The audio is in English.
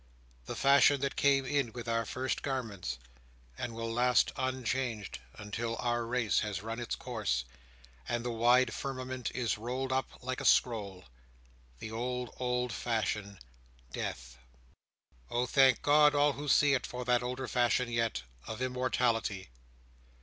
The fashion that came in with our first garments, and will last unchanged until our race has run its course, and the wide firmament is rolled up like a scroll. The old, old fashion—Death! Oh thank GOD, all who see it, for that older fashion yet, of Immortality!